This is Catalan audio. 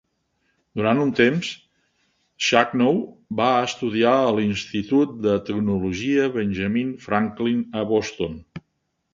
Durant un temps, Shachnow va estudiar a l'institut de tecnologia Benjamin Franklin a Boston.